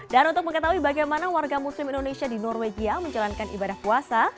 dan untuk mengetahui bagaimana warga muslim indonesia di norwegia menjalankan ibadah puasa